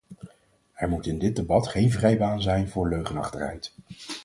Er moet in dit debat geen vrij baan zijn voor leugenachtigheid.